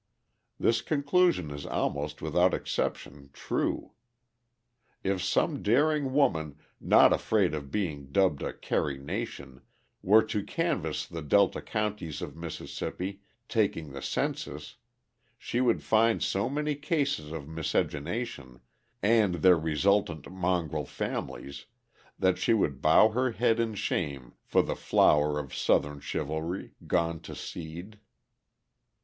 This conclusion is almost without exception true. If some daring woman, not afraid of being dubbed a Carrie Nation, were to canvass the delta counties of Mississippi taking the census, she would find so many cases of miscegenation, and their resultant mongrel families, that she would bow her head in shame for the "flower of Southern chivalry" gone to seed.